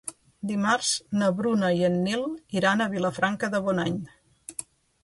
Dimarts na Bruna i en Nil iran a Vilafranca de Bonany.